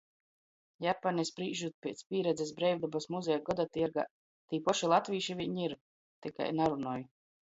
Japani, sprīžūt piec pīredzis Breivdobys muzeja godatiergā, tī poši latvīši viņ ir, tikai narunoj.